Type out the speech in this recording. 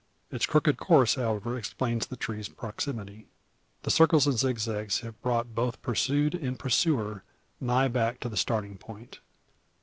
Its crooked course, however, explains the tree's proximity. The circles and zig zags have brought both pursued and pursuer nigh back to the starting point.